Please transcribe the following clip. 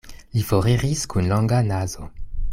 Li foriris kun longa nazo.